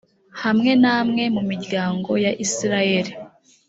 hamwe namwe mu miryango ya isirayeli